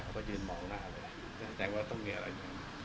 เขาก็ยืนมองหน้าเลยไม่แสดงว่าต้องเห็นอะไรอย่างนี้